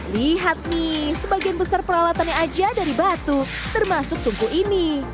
lihat nih sebagian besar peralatannya aja dari batu termasuk tungku ini